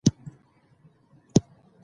د نوښتګر فکرونو سرچینه ځوانان دي.